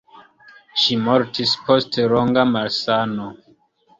Ŝi mortis post longa malsano.